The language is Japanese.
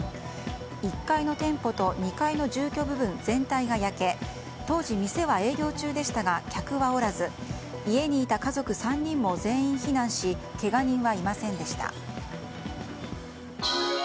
１階の店舗と２階の住居部分全体が焼け当時、店は営業中でしたが客はおらず家にいた家族３人も全員避難しけが人はいませんでした。